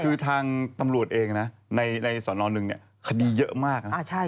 คือทางตำรวจเองนะในสอนอนหนึ่งเนี่ยคดีเยอะมากนะ